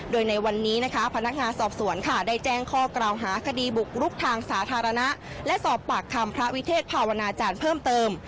โดยในวันนี้นะคะพนักงานสอบสวนค่ะได้แจ้งข้อกล่าวหาคดีบุกรุกทางสาธารณะและสอบปากคำพระวิเทศภาวนาจารย์เพิ่มเติม